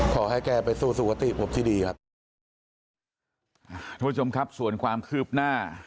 ขอให้แกไปสู่สุขติพบที่ดีครับอ่าทุกผู้ชมครับส่วนความคืบหน้า